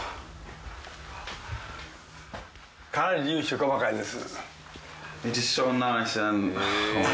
かなり粒子が細かいです。